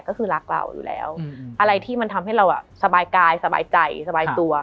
ก็คือรักเราอยู่แล้วอะไรที่มันทำให้เราสบายกายสบายใจสบายตัว